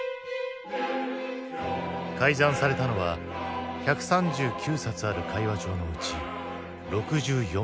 改ざんされたのは１３９冊ある会話帳のうち６４冊。